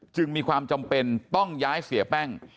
จึงมีความจำเป็นต้องย้ายเสียแป้ง